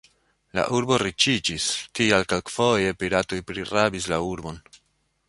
La urbo riĉiĝis, tial kelkfoje piratoj prirabis la urbon.